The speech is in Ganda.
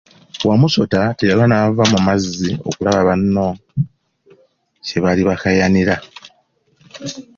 Wamusota teyalwa n'ava mu mazzi okulaba bano kye baali bakaayanira.